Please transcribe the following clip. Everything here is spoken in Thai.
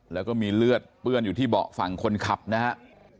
แล้วก็มีเลือดเปื้อนอยู่ที่เบาะฝั่งคนขับนะฮะ